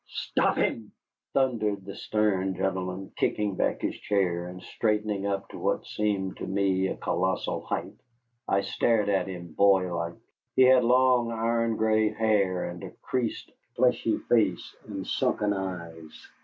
"Stop him!" thundered the stern gentleman, kicking back his chair and straightening up to what seemed to me a colossal height. I stared at him, boylike. He had long, iron gray hair and a creased, fleshy face and sunken eyes.